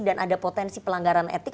dan ada potensi pelanggaran etik